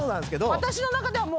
私の中ではもう。